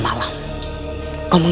kau ahal rubus of